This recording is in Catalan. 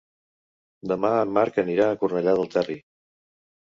Demà en Marc anirà a Cornellà del Terri.